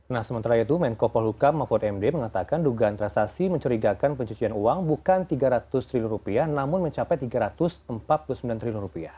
nah sementara itu menko polhukam mahfud md mengatakan dugaan transaksi mencurigakan pencucian uang bukan rp tiga ratus triliun namun mencapai rp tiga ratus empat puluh sembilan triliun